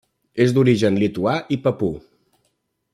És d'origen lituà i papú.